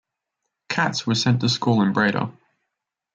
Cats was sent to school in Breda.